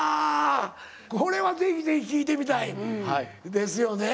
これはぜひぜひ聴いてみたい。ですよね？